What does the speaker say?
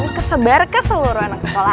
ini kesebar ke seluruh anak sekolah